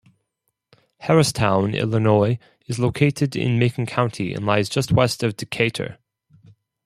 Harristown, Illinois, is located in Macon County and lies just west of Decatur.